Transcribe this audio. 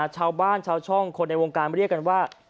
ชาวบ้านชาวช่องคนในวงการเรียกกันว่า